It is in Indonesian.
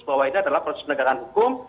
bahwa ini adalah proses penegakan hukum